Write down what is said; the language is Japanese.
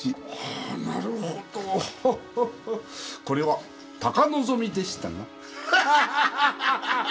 これは高望みでしたな。